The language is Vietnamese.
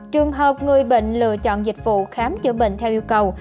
trường hợp người bệnh lựa chọn dịch vụ khám chữa bệnh theo yêu cầu